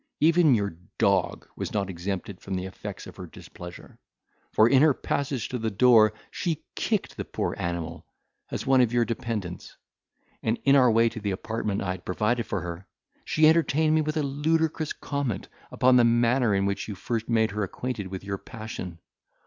Even your dog was not exempted from the effects of her displeasure. For, in her passage to the door, she kicked the poor animal as one of your dependents; and, in our way to the apartment I had provided for her, she entertained me with a ludicrous comment upon the manner in which you first made her acquainted with your passion.